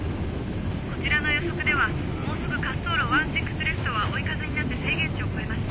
こちらの予測ではもうすぐ滑走路１６Ｌは追い風になって制限値を超えます。